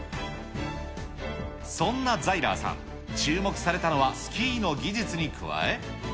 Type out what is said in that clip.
そんなザイラーさん、注目されたのはスキーの技術に加え。